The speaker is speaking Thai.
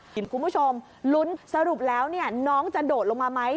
คุณผู้ชมลุ้นสรุปแล้วน้องจะโดดลงมาไหม